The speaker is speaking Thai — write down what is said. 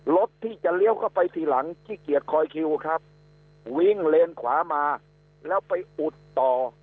รถที่จะเลี้ยวเข้าไปทีหลังขี้เกียจคอยคิวครับวิ่งเลนขวามาแล้วไปอุดต่อ